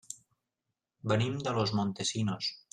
Venim de Los Montesinos.